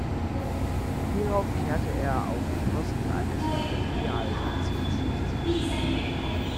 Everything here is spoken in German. Hierauf kehrte er auf den Posten eines Präsidial-Sektionschefs zurück.